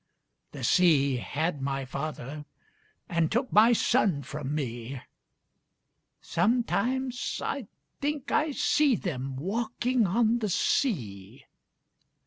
"The sea had my father and took my son from me—Sometimes I think I see them, walking on the sea!